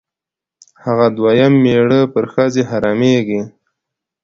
هغه دویم مېړه پر ښځې حرامېږي.